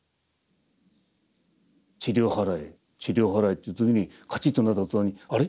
「塵を払え塵を払え」って言ってる時にカチッとなった途端に「あれ？